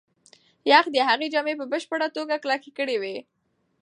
یخ د هغې جامې په بشپړه توګه کلکې کړې وې.